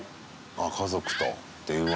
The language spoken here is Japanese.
あ家族と電話。